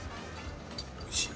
おいしい。